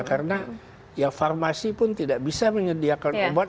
karena ya farmasi pun tidak bisa menyediakan obat